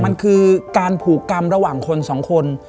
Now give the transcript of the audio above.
มันคือการผูกกรรมระหว่างคนสองคน